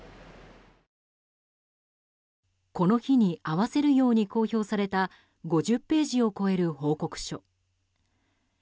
この日に合わせるように公表された５０ページを超える報告書。